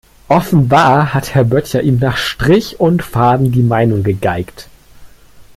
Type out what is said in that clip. Offenbar hat Herr Böttcher ihm nach Strich und Faden die Meinung gegeigt.